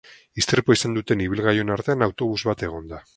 Istripua izan duten ibilgailuen artean autobus bat egon da.